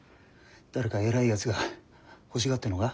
誰か偉いやつが欲しがってるのか？